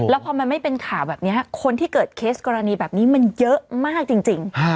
แล้วพอมันไม่เป็นข่าวแบบนี้คนที่เกิดเคสกรณีแบบนี้มันเยอะมากจริง